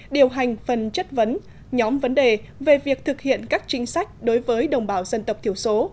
điều hành phần chất vấn nhóm vấn đề về việc thực hiện các chính sách đối với đồng bào dân tộc thiểu số